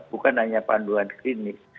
bukan hanya panduan klinis